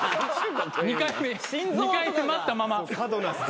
２回目待ったまま。